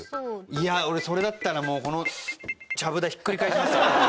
いや俺それだったらもうこのちゃぶ台ひっくり返しますよ。